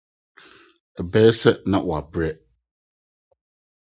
Ɛbɛyɛ sɛ na wɔabrɛ.